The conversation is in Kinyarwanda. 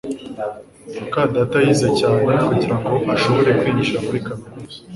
muka data yize cyane kugirango ashobore kwinjira muri kaminuza